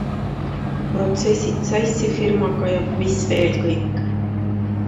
Protsessid Zeissi firmaga ja mis veel kõik.